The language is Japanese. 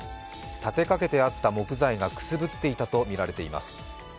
立てかけてあった木材が、くすぶっていたとみられています。